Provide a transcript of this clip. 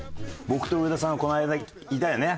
僕と上田さんはこの間いたよね？